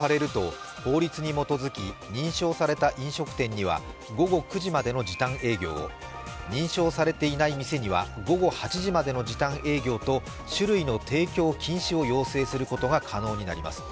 要請目安としていた病床率２０％を超えた東京都は適用されると法律に基づき認証された飲食店には午後９時までの時短営業を、認証されていない店には午後８時までの時短営業と酒類の提供禁止を要請することが可能となります。